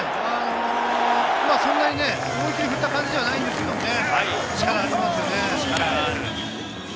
そんなに思い切り振った感じではないんですけどね。